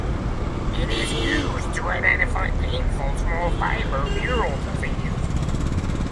It is used to identify painful small fiber neuropathies.